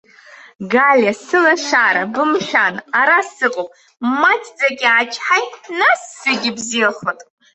Галиа, сылашара, бымшәан, ара сыҟоуп, маҷӡак иаачҳаи, нас зегьы бзиахоит!